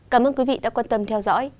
cảm ơn quý vị đã quan tâm theo dõi